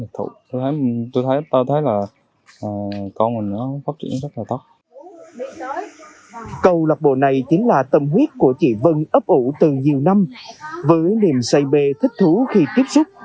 chị phạm cẩm vân ấp ủ từ nhiều năm với niềm say bê thích thú khi tiếp xúc